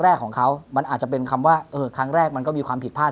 แรกของเขามันอาจจะเป็นคำว่าเออครั้งแรกมันก็มีความผิดพลาด